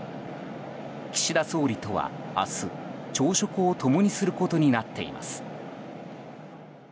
岸田総理とは明日、朝食を共にすることになっています。